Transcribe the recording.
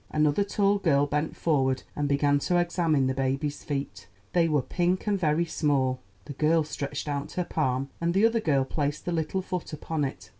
Another tall girl bent forward and began to examine the baby's feet. They were pink and very small; the girl stretched out her palm, and the other girl placed the little foot upon it.